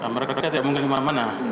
mereka tidak mungkin kemana mana